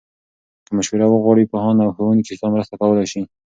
که مشوره وغواړې، پوهان او ښوونکي ستا مرسته کولای شي.